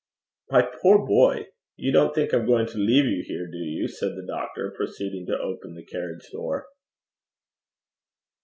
'My poor boy! you don't think I'm going to leave you here, do you?' said the doctor, proceeding to open the carriage door.